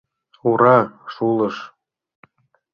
«Ура» шулыш...